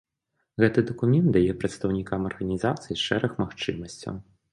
Гэты дакумент дае прадстаўнікам арганізацыі шэраг магчымасцяў.